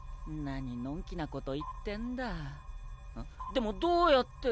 でもどうやって。